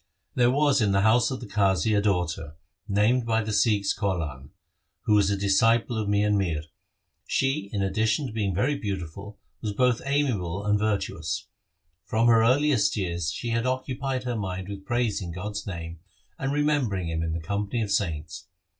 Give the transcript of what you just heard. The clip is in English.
There was in the house of the Qazi a daughter, named by the Sikhs Kaulan, 1 who was a disciple of Mian Mir. She, in addition to being very beautiful, was both amiable and virtuous. From her earliest years she had occupied her mind with praising God's name and remembering Him in the company of saints.